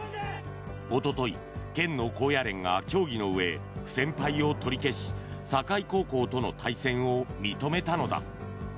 おととい、県の高野連が協議のうえ不戦敗を取り消し境高校との対戦を認めたのだ。